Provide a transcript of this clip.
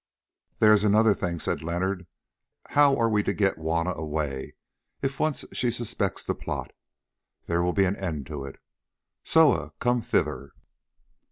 "There is another thing," said Leonard; "how are we to get Juanna away? If once she suspects the plot, there will be an end of it. Soa, come thither."